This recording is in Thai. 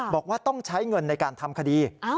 บอกว่าต้องใช้เงินในการทำคดี